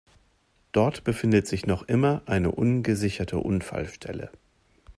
Dort befindet sich noch immer eine ungesicherte Unfallstelle.